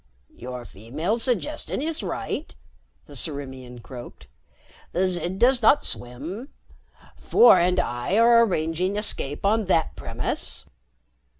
"Your female's suggestion is right," the Ciriimian croaked. "The Zid does not swim. Four and I are arranging escape on that premise."